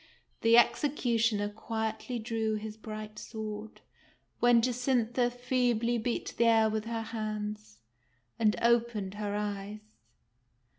The executioner quietly drew his bright sword, when Jacintha feebly beat the air with her hands, and opened her eyes.